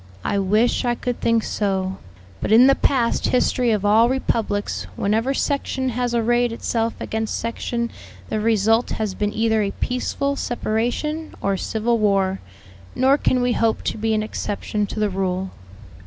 "I wish I could think so, but in the past history of all republics whenever section has arrayed itself against section the result has been either a peaceful separation, or civil war; nor can we hope to be an exception to the rule."